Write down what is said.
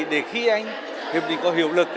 để khi anh có hiệu lực